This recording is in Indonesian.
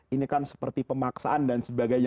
ini kan seperti pemaksaan dan sebagainya